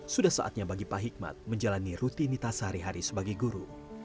sudah saatnya bagi pak hikmat menjalani rutinitas sehari hari sebagai guru